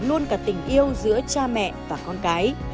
luôn cả tình yêu giữa cha mẹ và con cái